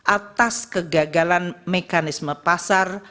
atas kegagalan mekanisme pasar